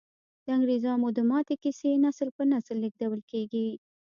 د انګریزامو د ماتې کیسې نسل په نسل لیږدول کیږي.